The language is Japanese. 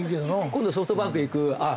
今度ソフトバンク行く。